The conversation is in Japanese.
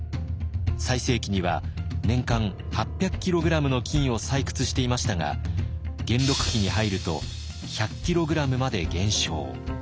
最盛期には年間８００ｋｇの金を採掘していましたが元禄期に入ると１００ｋｇまで減少。